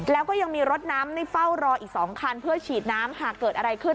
แล้วก็ยังมีรถน้ำในเฝ้ารออีก๒คันเพื่อฉีดน้ำหากเกิดอะไรขึ้น